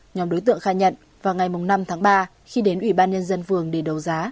nhóm đối tượng khai nhận vào ngày năm tháng ba khi đến ủy ban nhân dân phường để đấu giá